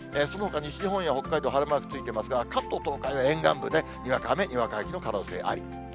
そのほか、西日本や北海道は晴れマークついていますが、関東、東海は沿岸部でにわか雨、にわか雪の可能性あり。